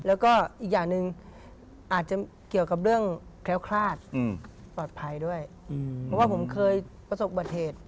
แล้วก็อีกอย่างหนึ่งอาจจะเกี่ยวกับเรื่องแคล้วคลาดปลอดภัยด้วยเพราะว่าผมเคยประสบบัติเหตุ